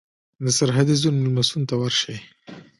د سرحدي زون مېلمستون ته ورشئ.